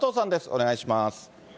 お願いします。